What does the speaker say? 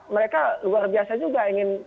mereka luar biasa juga ingin